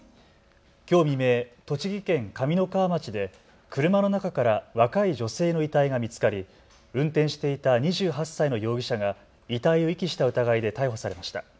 きょう未明、栃木県上三川町で車の中から若い女性の遺体が見つかり、運転していた２８歳の容疑者が遺体を遺棄した疑いで逮捕されました。